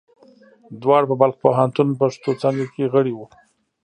دواړه په بلخ پوهنتون پښتو څانګه کې غړي وو.